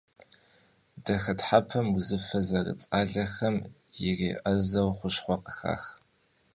Дахэтхьэпэм узыфэ зэрыцӏалэхэм иреӏэзэу хущхъуэ къыхах.